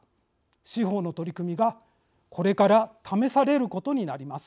司法の取り組みがこれから試されることになります。